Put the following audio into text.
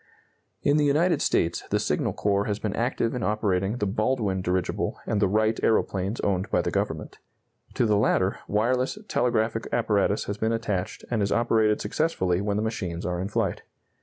In the United States the Signal Corps has been active in operating the Baldwin dirigible and the Wright aeroplanes owned by the Government. To the latter, wireless telegraphic apparatus has been attached and is operated successfully when the machines are in flight.